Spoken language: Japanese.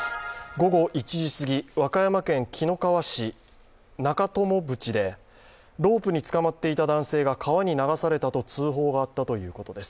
午後１時過ぎ、和歌山県紀の川市中鞆渕でロープにつかまっていた男性が川に流されたと通報があったということです。